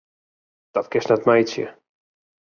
Dat kinst net meitsje!